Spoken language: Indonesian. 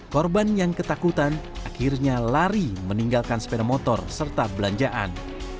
korban yang ketakutan akhirnya lari meninggalkan sepeda motor serta belanjaan